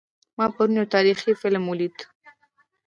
ما پرون یو تاریخي فلم ولید